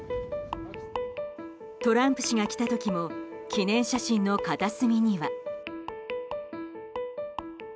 トランプ氏が来た時も記念写真の片隅には。